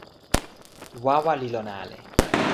wawa li lon ale.